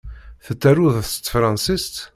Tettaruḍ s tefṛansist?